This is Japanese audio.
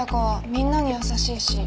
みんなに優しいし。